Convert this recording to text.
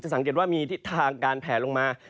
สังเกตว่ามีทิศทางการแผลลงมา